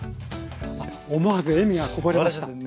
思わず笑みがこぼれました。